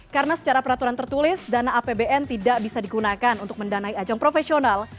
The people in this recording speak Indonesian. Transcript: karena secara peraturan tertulis dana apbn tidak bisa digunakan untuk mendanai ajang profesional